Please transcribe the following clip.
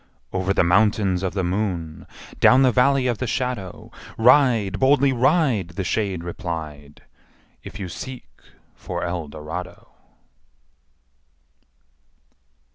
'' Over the Mountains Of the Moon, Down the Valley of the Shadow, Ride, boldly ride,'' The shade replied, ``If you seek for Eldorado!''